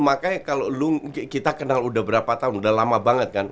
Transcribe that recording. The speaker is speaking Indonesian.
makanya kalau kita kenal udah berapa tahun udah lama banget kan